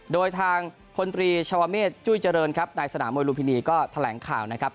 โดยทางคชวเมฆจุ้ยเจริญในสนามมวยลุมพินีก็แถลงข่าวนะครับ